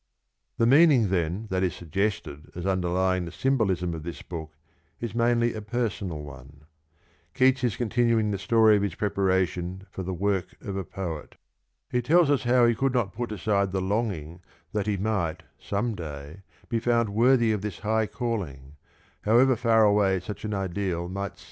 The meaning then that is suggested as underlying the symbolism of this book is mainly a personal one — Keats is continuing the story of his preparation for the work of a poet. He tells us how he could not put aside the longing that he might some day be found worthy of this high calling, however far away such an ideal might 1 Colvin, Life of Keats, p.